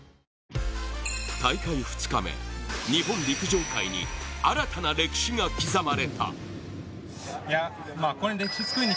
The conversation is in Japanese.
大会２日目、日本陸上界に新たな歴史が刻まれた。